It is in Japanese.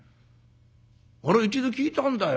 俺一度聞いたんだよ。